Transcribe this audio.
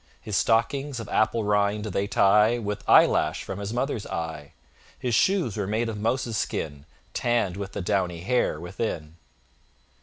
His stockings, of apple rind, they tie With eyelash from his mother's eye: His shoes were made of mouse's skin, Tann'd with the downy hair within.